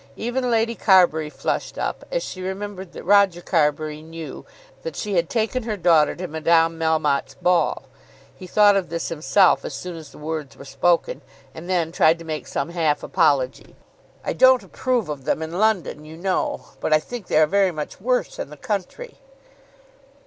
Even Lady Carbury flushed up, as she remembered that Roger Carbury knew that she had taken her daughter to Madame Melmotte's ball. He thought of this himself as soon as the words were spoken, and then tried to make some half apology. "I don't approve of them in London, you know; but I think they are very much worse in the country."